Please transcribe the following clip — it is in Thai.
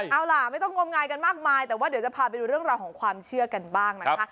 เอาล่ะไม่ต้องงมงายกันมากมายแต่ว่าเดี๋ยวจะพาไปดูเรื่องราวของความเชื่อกันบ้างนะคะ